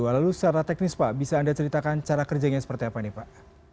lalu secara teknis pak bisa anda ceritakan cara kerjanya seperti apa nih pak